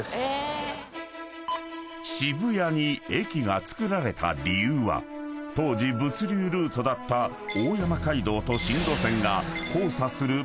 ［渋谷に駅がつくられた理由は当時物流ルートだった大山街道と新路線］